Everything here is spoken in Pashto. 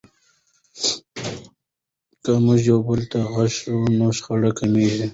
که موږ یو بل ته غوږ سو نو شخړې کمیږي.